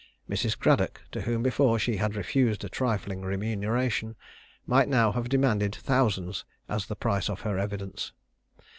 Mrs. Cradock, to whom before she had refused a trifling remuneration, might now have demanded thousands as the price of her evidence.